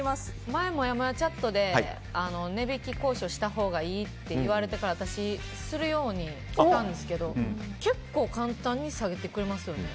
前、もやもやチャットで値引き交渉したほうがいいって言われてから私するようになったんですけど結構簡単に下げてくれますよね。